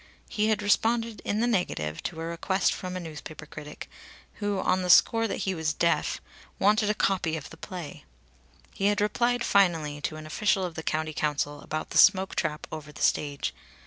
He had responded in the negative to a request from a newspaper critic who, on the score that he was deaf, wanted a copy of the play. He had replied finally to an official of the County Council about the smoke trap over the stage.